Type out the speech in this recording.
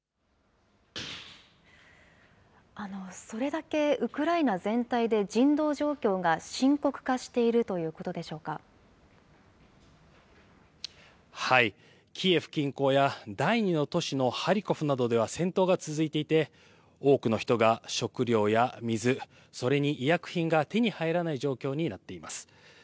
それだけウクライナ全体で人道状況が深刻化しているというこはい、キエフ近郊や第２の都市のハリコフなどでは戦闘が続いていて、多くの人が食料や水、それに医薬品が手に入らない状況になっています。